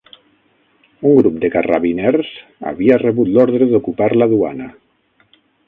Un grup de carrabiners havia rebut l'ordre d'ocupar la duana...